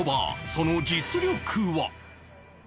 その実力は